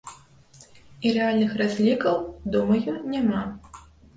І рэальных разлікаў, думаю, няма.